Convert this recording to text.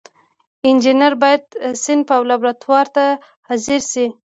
انجینر باید صنف او لابراتوار ته حاضر شي.